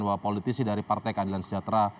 bahwa politisi dari partai keadilan sejahtera